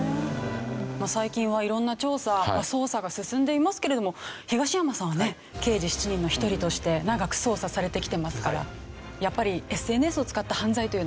最近は色んな調査捜査が進んでいますけれども東山さんはね『刑事７人』の一人として長く捜査されてきてますからやっぱりＳＮＳを使った犯罪というのも。